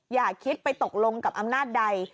อย่าคิดไปตกลงกับอำนาจใด